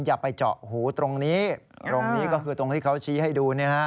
อย่าไปเจาะหูตรงนี้ตรงนี้ก็คือตรงที่เขาชี้ให้ดู